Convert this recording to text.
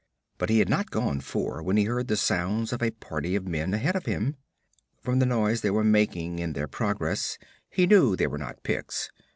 But he had not gone four when he heard the sounds of a party of men ahead of him. From the noise they were making in their progress he knew they were not Picts.